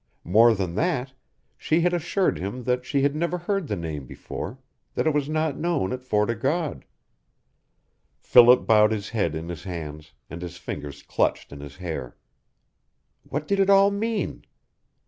More than that, she had assured him that she had never heard the name before, that it was not known at Fort o' God. Philip bowed his head in his hands, and his fingers clutched in his hair. What did it all mean?